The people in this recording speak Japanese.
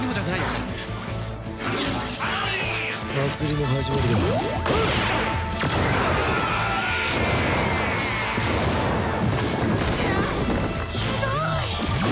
すごい！